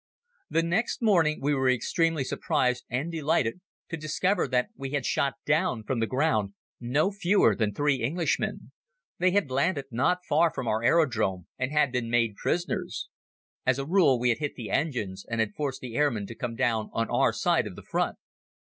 The next morning we were extremely surprised and delighted to discover that we had shot down from the ground no fewer than three Englishmen. They had landed not far from our aerodrome and had been made prisoners. As a rule we had hit the engines and had forced the airmen to come down on our side of the Front.